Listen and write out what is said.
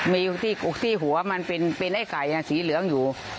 มีที่ที่หัวมันเป็นเป็นไอ้ไข่น่ะสีเหลืองอยู่อ้อ